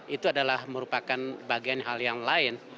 itu adalah merupakan bagian hal yang lain